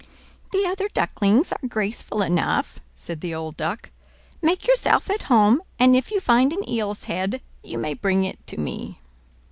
"The other duckling's are graceful enough," said the old Duck. "Make yourself at home; and if you find an eel's head, you may bring it to me."